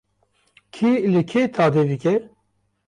Kî li kê tade dike?